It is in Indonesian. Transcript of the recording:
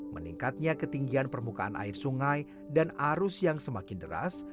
meningkatnya ketinggian permukaan air sungai dan arus yang semakin deras